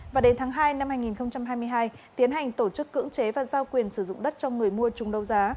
và đến tháng hai năm hai nghìn hai mươi hai tiến hành tổ chức cưỡng chế và giao quyền sử dụng đất cho người mua chung đấu giá